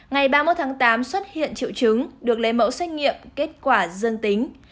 ngày ba mươi một tháng tám xuất hiện triệu chứng được lấy mẫu xét nghiệm kết quả dương tính